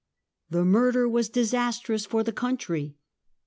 The murder was disastrous for the country.